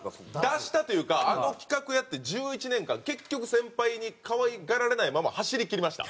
脱したというかあの企画をやって１１年間結局先輩に可愛がられないまま走りきりました。